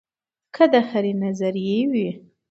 کۀ د هرې نظرئې وي